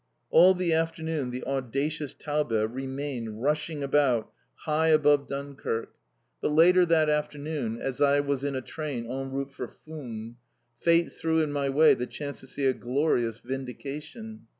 All the afternoon the audacious Taube remained rushing about high above Dunkirk. But later that afternoon, as I was in a train en route for Fumes, fate threw in my way the chance to see a glorious vindication!